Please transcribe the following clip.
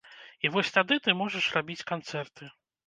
І вось тады ты можаш рабіць канцэрты.